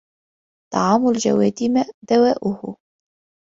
طَعَامُ الْجَوَادِ دَوَاءٌ